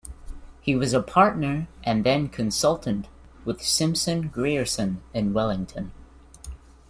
He was a partner and then consultant with Simpson Grierson in Wellington.